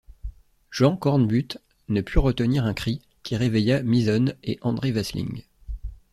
Jean Cornbutte ne put retenir un cri, qui réveilla Misonne et André Vasling.